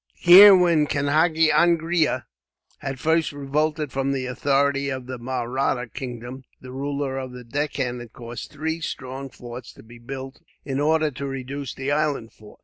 Here, when Kanhagi Angria had first revolted from the authority of the Mahratta kingdom, the ruler of the Deccan had caused three strong forts to be built, in order to reduce the island fort.